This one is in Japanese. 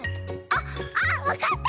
あわかった！